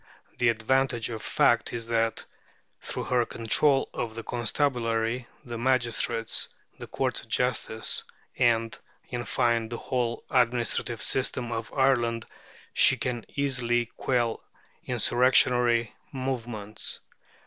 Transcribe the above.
The advantage of fact is that, through her control of the constabulary, the magistrates, the courts of justice, and, in fine, the whole administrative system of Ireland, she can easily quell insurrectionary movements.